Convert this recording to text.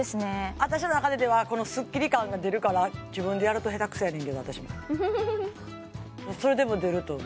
私の中でではこのスッキリ感が出るから自分でやると下手くそやねんけど私もそれでも出ると思う